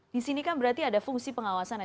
di sini kan berarti ada fungsi pengawasan ya